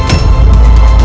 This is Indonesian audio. jagad dewa batara